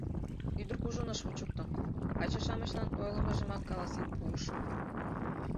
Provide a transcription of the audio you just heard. Ӱдыр кужун ыш вучыкто, каче-шамычлан ойлымыжымак каласен пуыш.